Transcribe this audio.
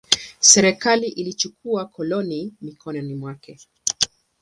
Serikali ilichukua koloni mikononi mwake.